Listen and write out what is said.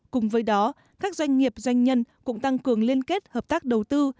cùng với đó các doanh nghiệp doanh nhân cũng tăng cường liên kết hợp tác đầu tư